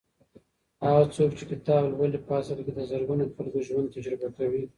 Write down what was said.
هغه څوک چې کتاب لولي په اصل کې د زرګونو خلکو ژوند تجربه کوي.